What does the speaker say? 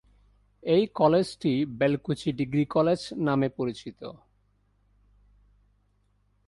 এই কলেজটি "Belkuchi degree college" নামে পরিচিত।